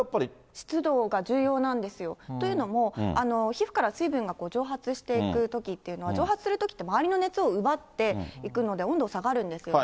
湿度が重要なんですよ。というのも、皮膚から水分が蒸発していくときっていうのは、蒸発するときって周りの熱を奪っていくので、温度下がるんですよね。